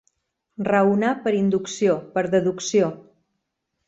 Raonar per inducció, per deducció.